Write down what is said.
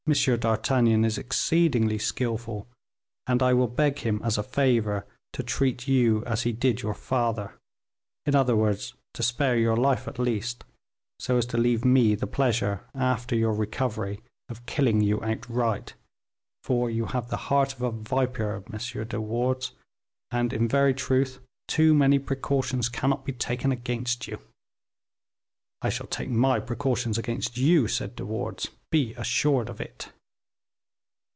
d'Artagnan is exceedingly skillful, and I will beg him as a favor to treat you as he did your father; in other words, to spare your life at least, so as to leave me the pleasure, after your recovery, of killing you outright; for you have the heart of a viper, M. de Wardes, and in very truth, too many precautions cannot be taken against you." "I shall take my precautions against you," said De Wardes, "be assured of it."